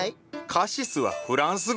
カシスはフランス語だよ。